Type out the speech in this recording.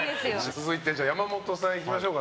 続いて、山本さんいきましょう。